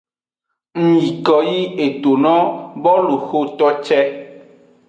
Ngyiko yi eto no boluxoto ce.